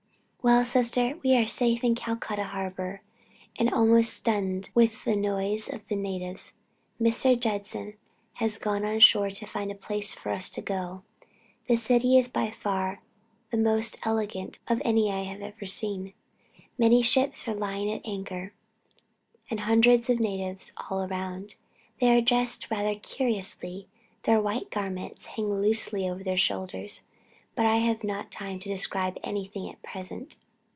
"Well, sister, we are safe in Calcutta harbor, and almost stunned with the noise of the natives. Mr. Judson has gone on shore to find a place for us to go. The city is by far the most elegant of any I have ever seen. Many ships are lying at anchor, and hundreds of natives all around. They are dressed very curiously their white garments hanging loosely over their shoulders. But I have not time to describe anything at present.